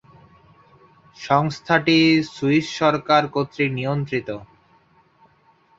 সংস্থাটি সুইস সরকার কর্তৃক নিয়ন্ত্রিত।